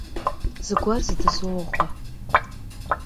Zıguer zdızoğue.